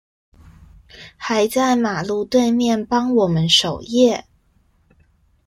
還在馬路對面幫我們守夜